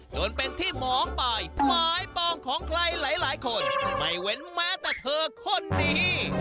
จนเป็นที่หมองไปหมายปองของใครหลายคนไม่เว้นแม้แต่เธอคนนี้